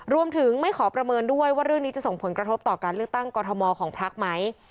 รวมถึงไม่ขอประเมินด้วยว่าเรื่องนี้จะส่งผลกระทบต่อการเลือกตั้งกรทมของพักไหม